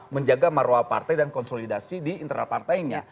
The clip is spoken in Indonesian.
menjaga marwah partai dan konsolidasi di internal partainya